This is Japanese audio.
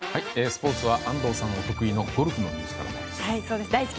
スポーツは安藤さんお得意のゴルフのニュースからです。